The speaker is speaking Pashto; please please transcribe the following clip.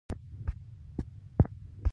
پاچا هېڅکله ځان نه ملامتوي .